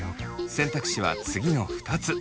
選択肢は次の２つ。